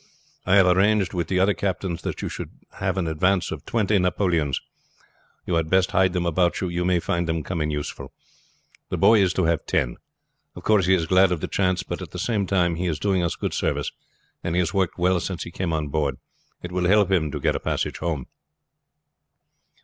I have arranged with the other captains that you shall have an advance of twenty napoleons. You had best hide them about you; you may find them come in useful. The boy is to have ten. Of course he is glad of the chance; but at the same time he is doing us good service, and he has worked well since he came on board. It will help him to get a passage home."